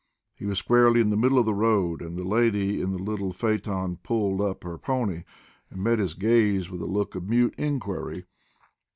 He was squarely in the middle of the road, and the lady in the little phaeton pulled up her pony and met his gaze with a look of mute inquiry.